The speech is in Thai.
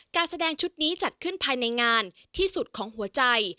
การแสดงชุดนี้จัดขึ้นภายในงานที่สุดของหัวใจ